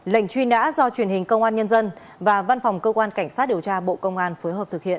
lệnh truy nã do truyền hình công an nhân dân và văn phòng cơ quan cảnh sát điều tra bộ công an phối hợp thực hiện